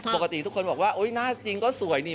ปกติทุกคนบอกว่าหน้าจริงก็สวยนี่